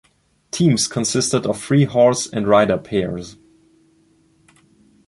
Teams consisted of three horse and rider pairs.